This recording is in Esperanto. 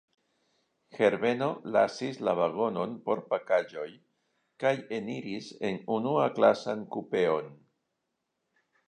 Herbeno lasis la vagonon por pakaĵoj, kaj eniris en unuaklasan kupeon.